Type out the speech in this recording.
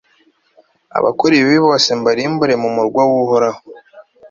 abakora ibibi bose mbarimbure mu murwa w'uhoraho